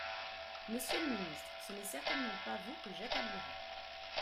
Monsieur le ministre, ce n’est certainement pas vous que j’accablerais.